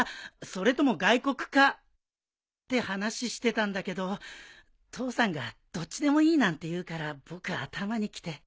それとも外国かって話してたんだけど父さんがどっちでもいいなんて言うから僕頭にきて。